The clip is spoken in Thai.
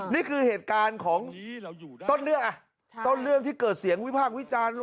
นี่คือเหตุการณ์ของต้นเรื่องที่เกิดเสียงวิภาควิจารณ์